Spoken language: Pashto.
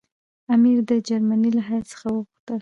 امیر د جرمني له هیات څخه وغوښتل.